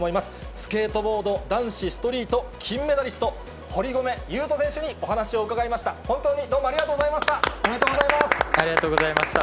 スケートボード男子ストリート金メダリスト、堀米雄斗選手にお話しを伺いました。